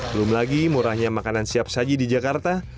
belum lagi murahnya makanan siap saji di jakarta